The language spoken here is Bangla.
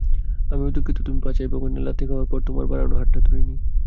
আমিও দুঃখিত, তুমি পাছায় বুকানের লাথি খাওয়ার পর তোমার বাড়ানো হাতটা ধরিনি।